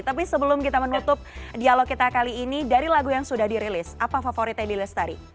tapi sebelum kita menutup dialog kita kali ini dari lagu yang sudah dirilis apa favoritnya di lestari